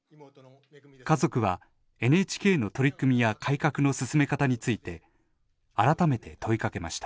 家族は、ＮＨＫの取り組みや改革の進め方について改めて問いかけました。